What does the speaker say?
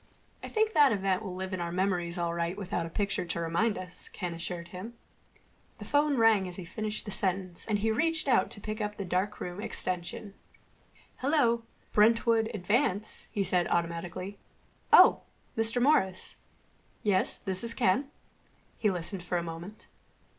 "I think that event will live in our memories all right without a picture to remind us," Ken assured him. The phone rang as he finished the sentence and he reached out to pick up the darkroom extension. "Hello. Brentwood Advance," he said automatically.... "Oh, Mr. Morris.... Yes, this is Ken." He listened for a moment.